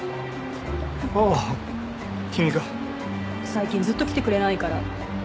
最近ずっと来てくれないから。